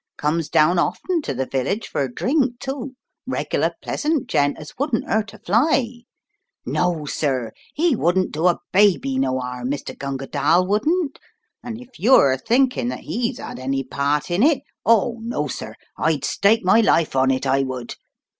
Comes down often to the village for a drink, too, regular pleasant gent as wouldn't 'urt a fly. No, sir, 'e wouldn't do a baby no 'arm Mr. Gunga Dall wouldn't, an' if you're a thinking that Vs 'ad any part in it Oh, no, sir! I'd stake my life on it I would.